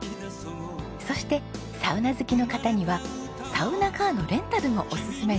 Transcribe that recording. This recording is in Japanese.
そしてサウナ好きの方にはサウナカーのレンタルもおすすめです。